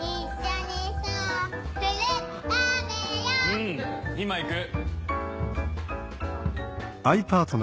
うん今行く。